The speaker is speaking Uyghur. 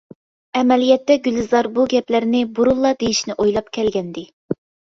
ئەمەلىيەتتە گۈلزار بۇ گەپلەرنى بۇرۇنلا دېيىشنى ئويلاپ كەلگەنىدى.